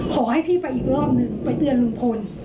ขอให้พี่ไปอีกรอบหนึ่งไปเตือนลุงพล